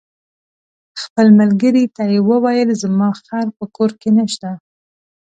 خپل ملګري ته یې وویل: زما خر په کور کې نشته.